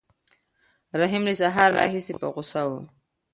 رحیم له سهار راهیسې په غوسه و.